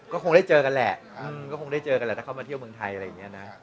ก็คงได้เจอกันแหละก็คงได้เจอกันแหละถ้าเข้ามาเที่ยวเมืองไทยอะไรอย่างนี้นะ